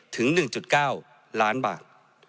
ถึง๑๙ล้านบาท